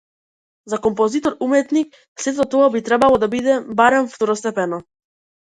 За композитор-уметник сето тоа би требало да биде барем второстепено.